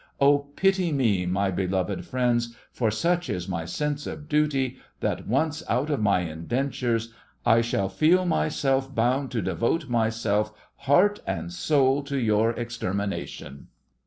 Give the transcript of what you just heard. Oh! pity me, my beloved friends, for such is my sense of duty that, once out of my indentures, I shall feel myself bound to devote myself heart and soul to your extermination!